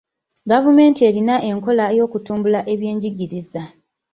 Gavumenti erina enkola y'okutumbula ebyenjigiriza.